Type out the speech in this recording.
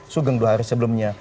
sugeng dua hari sebelumnya